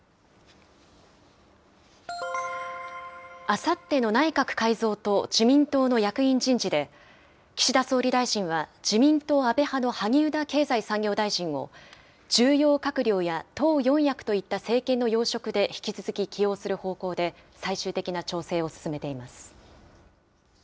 あさっての内閣改造と自民党の役員人事で、岸田総理大臣は自民党安倍派の萩生田経済産業大臣を、重要閣僚や党４役といった政権の要職で引き続き起用する方向で最終的な調整を進めています。